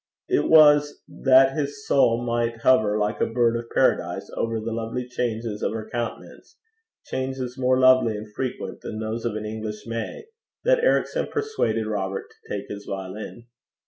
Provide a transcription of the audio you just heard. It was that his soul might hover like a bird of Paradise over the lovely changes of her countenance, changes more lovely and frequent than those of an English May, that Ericson persuaded Robert to take his violin.